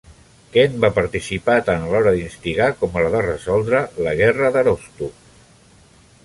Kent va participar tant a l'hora d'instigar com a la de resoldre la Guerra d'Aroostook.